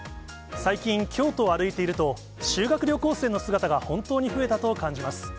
最近、京都を歩いていると、修学旅行生の姿が本当に増えたと感じます。